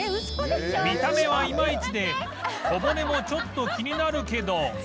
見た目はイマイチで小骨もちょっと気になるけど